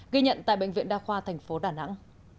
ghi nhận tại bệnh viện đa khoa tp đà nẵng